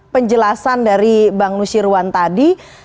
penjelasan dari bang nusyirwan tadi